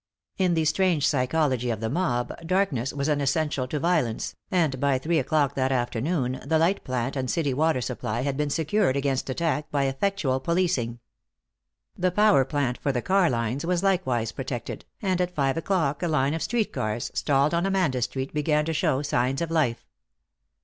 In the strange psychology of the mob, darkness was an essential to violence, and by three o'clock that afternoon the light plant and city water supply had been secured against attack by effectual policing. The power plant for the car lines was likewise protected, and at five o'clock a line of street cars, stalled on Amanda Street, began to show signs of life.